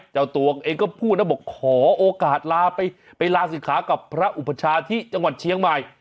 เจ้าตัวเองก็พูดนะบอกขอโอกาสลาไปลาศิกขากับพระอุปชาที่จังหวัดเชียงใหม่